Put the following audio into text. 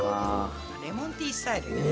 レモンティースタイルね。